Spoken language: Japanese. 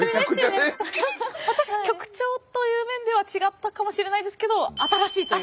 曲調という面では違ったかもしれないんですけど新しいという。